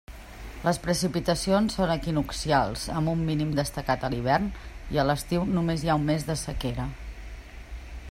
Les precipitacions són equinoccials amb un mínim destacat a l'hivern, i a l'estiu només hi ha un mes de sequera.